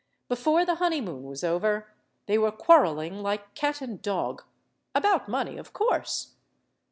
Before the honeymoon was over, they were quarreling like cat and dog. About money, of course.